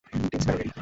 Team Sparrow ready?